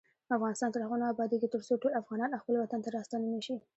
افغانستان تر هغو نه ابادیږي، ترڅو ټول افغانان خپل وطن ته راستانه نشي.